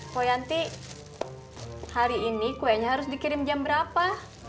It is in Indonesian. poyanti hari ini kuenya harus dikirim jam berapa